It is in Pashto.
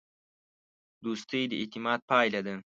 دوستي د اعتماد پایله ده.